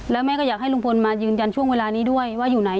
แล้วแม่ก็อยากให้ลุงพลมายืนยันช่วงเวลานี้ด้วยว่าอยู่ไหน